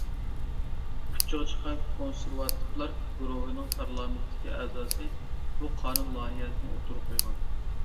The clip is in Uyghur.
ئۇچىغا چىققان كونسېرۋاتىپلار گۇرۇھىنىڭ پارلامېنتتىكى ئەزاسى بۇ قانۇن لايىھەسىنى ئوتتۇرىغا قويغان.